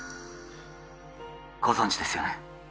ご存じですよね？